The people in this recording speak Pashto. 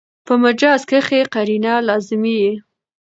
په مجاز کښي قرینه لازمي يي.